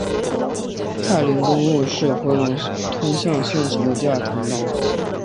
太临公路是回龙通向县城的第二通道。